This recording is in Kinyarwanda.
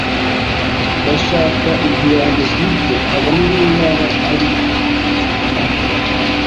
Ndashaka inzu yanjye bwite, kabone niyo yaba ari akazu.